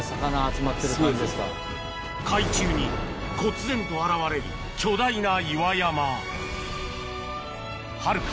海中にこつぜんと現れる巨大な岩山はるか